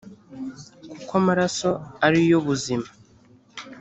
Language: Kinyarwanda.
kuko amaraso ari yo buzima;